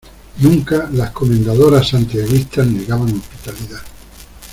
nunca las Comendadoras Santiaguistas negaban hospitalidad.